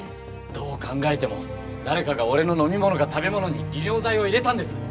どう考えても誰かが俺の飲み物か食べ物に利尿剤を入れたんです。